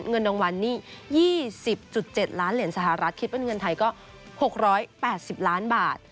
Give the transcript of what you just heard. เงินรางวัลนี่๒๐๗ล้านเหรียญสหรัฐคิดเป็นเงินไทยก็๖๘๐ล้านบาท